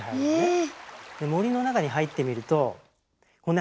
え。